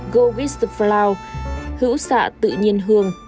go with the flow hữu xạ tự nhiên hương